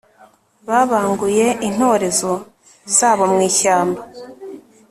babanguye intorezo zabo mu ishyamba